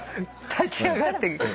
立ち上がって。